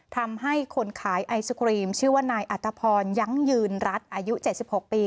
ทำให้คนขายไอศครีมชื่อว่านายอัตภพรยังยืนรัฐอายุ๗๖ปี